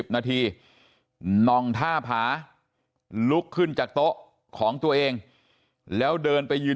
นาทีนองท่าผาลุกขึ้นจากโต๊ะของตัวเองแล้วเดินไปยืน